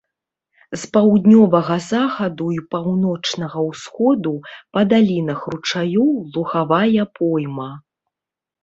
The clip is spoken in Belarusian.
З паўднёвага захаду і паўночнага ўсходу па далінах ручаёў лугавая пойма.